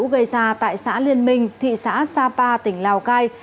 khu gây ra tại xã liên minh thị xã sa pa tỉnh lào cai